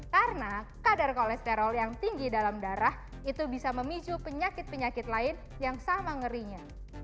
karena kadar kolesterol yang tinggi dalam darah itu bisa memicu penyakit penyakit lain yang sama ngerinya